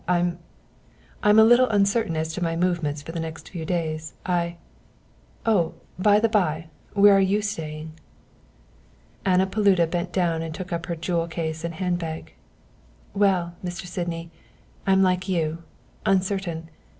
I I'm a little uncertain as to my movements for the next few days. I oh, by the bye, where are you staying?" Anna Paluda bent down and took up her jewel case and handbag. "Well, Mr. Sydney I'm like you uncertain.